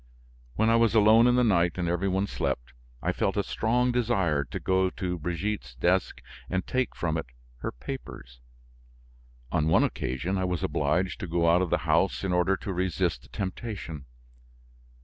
When I was alone in the night and every one slept, I felt a strong desire to go to Brigitte's desk and take from it, her papers. On one occasion, I was obliged to go out of the house in order to resist the temptation.